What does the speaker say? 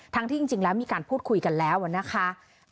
ที่จริงแล้วมีการพูดคุยกันแล้วนะคะ